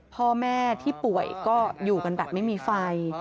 พ่อแม่ที่ป่วยก็อยู่กันแบบไม่มีไฟ